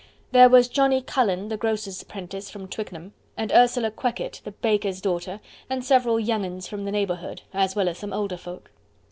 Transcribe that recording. There was Johnny Cullen, the grocer's apprentice from Twickenham, and Ursula Quekett, the baker's daughter, and several "young 'uns" from the neighbourhood, as well as some older folk.